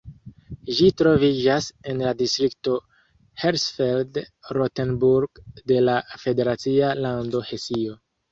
Ĝi troviĝas en la distrikto Hersfeld-Rotenburg de la federacia lando Hesio.